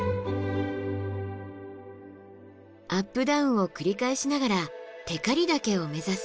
アップダウンを繰り返しながら光岳を目指す。